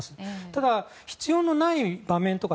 ただ、必要のない場面